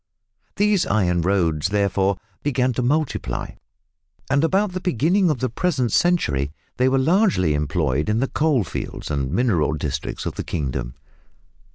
These iron roads, therefore, began to multiply, and about the beginning of the present century they were largely employed in the coal fields and mineral districts of the kingdom.